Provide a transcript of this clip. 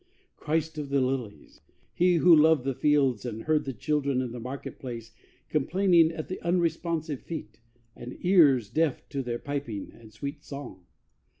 Christ of the lilies He Who loved the fields, And heard the children in the market place Complaining at the unresponsive feet, And ears deaf to their piping and sweet song.